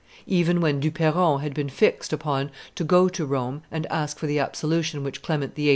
Even when Du Perron had been fixed upon to go to Rome and ask for the absolution which Clement VIII.